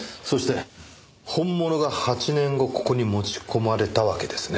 そして本物が８年後ここに持ち込まれたわけですね。